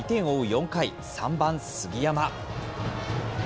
４回、３番杉山。